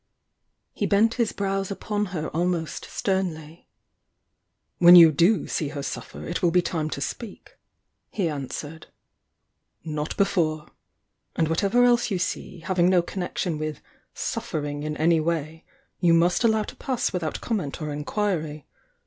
He bent his brows upon her almost sternly. "When you do see her suffer it wiU be time to speak"— he answered— "Not before! And whatever else you see, having no connection with 'suffering" in any way, you must allow to pass without comment or inquiry.